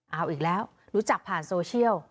เอาอีกแล้วรู้จักผ่านโซเชียล